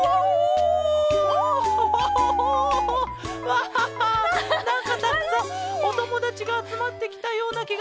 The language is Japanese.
わあなんかたくさんおともだちがあつまってきたようなきがしたケロ。